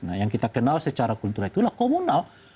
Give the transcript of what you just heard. nah yang kita kenal secara kultural itulah komunal